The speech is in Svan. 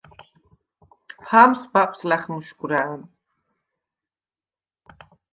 ჰამს ბაპს ლა̈ხმუშგუ̂რა̄̈ნ.